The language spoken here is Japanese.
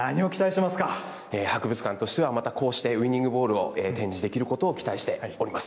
博物館としては、またこうしてウィニングボールを展示できることを期待しております。